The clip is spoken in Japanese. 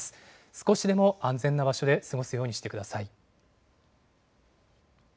少しでも安全な場所で過ごすようにしてください。